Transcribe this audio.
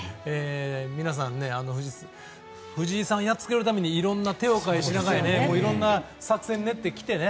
皆さん藤井さんをやっつけるためにいろんな、手を変え品を変え作戦を練ってきてね。